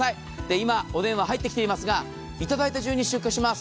今、お電話入ってきていますがいただいた順に出荷します。